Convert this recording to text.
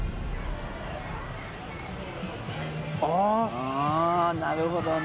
ああなるほどね。